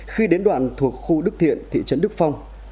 khi đến đoạn thuộc khu đức thiện thị trấn đức phong